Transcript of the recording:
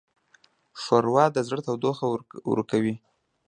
ښوروا د زړه تودوخه ورکوي.